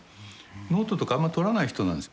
ノートとかあんまとらない人なんです。